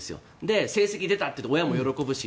成績が出たというと親も喜ぶし。